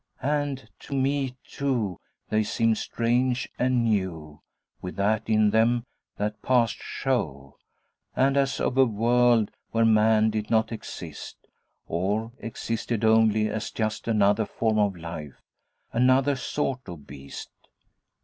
And to me, too, they seemed strange and new with that in them 'that passed show,' and as of a world where man did not exist, or existed only as just another form of life, another sort of beast.